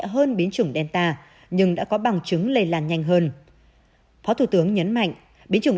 hơn biến chủng delta nhưng đã có bằng chứng lây lan nhanh hơn phó thủ tướng nhấn mạnh biến chủng